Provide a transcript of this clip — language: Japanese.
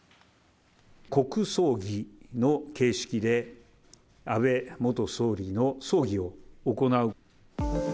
国葬儀の形式で、安倍元総理の葬儀を行う。